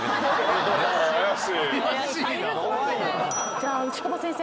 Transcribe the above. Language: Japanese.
じゃあ牛窪先生。